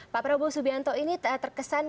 pak prabowo subianto ini terkesan